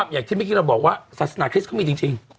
อย่างที่มิกิมบอกว่าศาสนาคริสต์ก็มีจริง